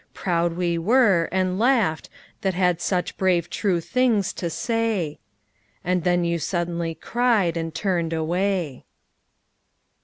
... Proud we were, And laughed, that had such brave true things to say. And then you suddenly cried, and turned away.